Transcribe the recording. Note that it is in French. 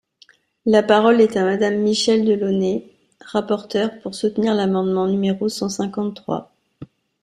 La parole est à Madame Michèle Delaunay, rapporteure, pour soutenir l’amendement numéro cent cinquante-trois.